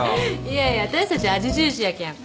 いやいや私たちは味重視やけん。